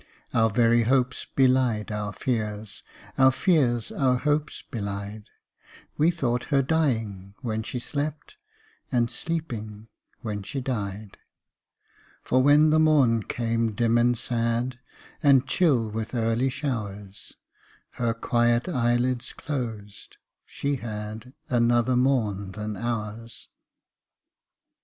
Our very hopes belied our fears, Our fears our hopes belied We thought her dying when she slept, And sleeping when she died. For when the morn came dim and sad, And chill with early showers, Her quiet eyelids closed she had Another morn than ours.